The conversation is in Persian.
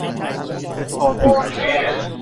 رکابی